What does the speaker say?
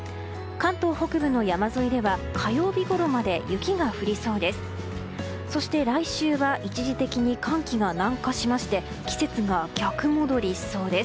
関東北部の山沿いでは火曜日ごろまで雪が降りそうです。